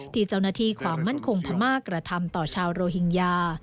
ที่เจ้าหน้าที่ความมั่นคงพม่ากระทำต่อชาวโรฮิงญา